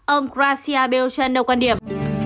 ông garcia belchern đồng quan điểm